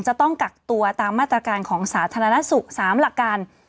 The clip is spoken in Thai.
จะต้องกักตัวตามมาตรการของสาธารณสุข๓หลักการ